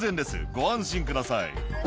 「ご安心ください」